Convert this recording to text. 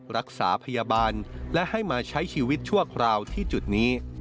รักษาพยาบาลและให้มาใช้ชีวิตชั่วคราวที่จุดนี้